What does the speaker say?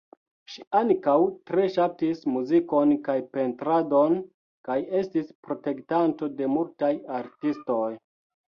Ŝi ankaŭ tre ŝatis muzikon kaj pentradon kaj estis protektanto de multaj artistoj.